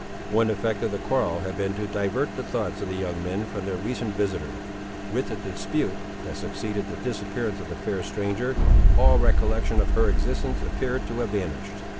One effect of the quarrel had been to divert the thoughts of the young men from their recent visitor. With the dispute, that succeeded the disappearance of the fair stranger, all recollection of her existence appeared to have vanished.